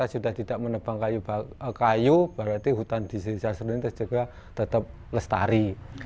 sudah tidak menebang kayu berarti hutan di sisi seluruh ini juga tetap lestari